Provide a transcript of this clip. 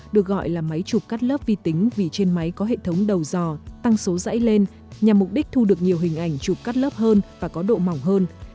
được gọi là máy chụp cắt lớp vi tính vì trên máy có hệ thống đầu dò tăng số dãy lên nhằm mục đích thu được nhiều hình ảnh chụp cắt lớp hơn và có độ mỏng hơn